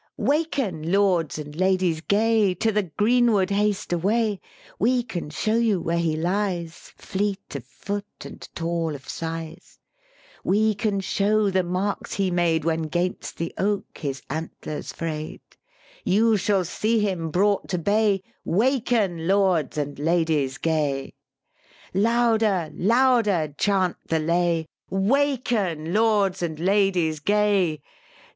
"Waken, lords and ladies gay, To the greenwood haste away; We can show you where he lies, Fleet of foot and tall of size; We can show the marks he made When 'gainst the oak his antlers fray'd; You shall see him brought to bay; * Waken, lords and ladies gay.' " Louder, louder chant the lay Waken, lords and ladies gay!